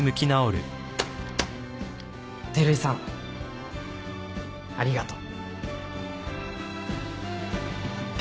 照井さんありがとう。